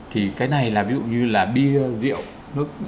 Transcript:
thì cái này là ví dụ như là bia rượu nước